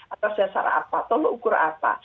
atas dasar apa tolong ukur apa